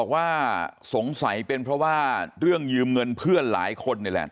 ว่าสงสัยเป็นเพราะว่าเรื่องยืมเงินเพื่อนหลายคนนี่แหละ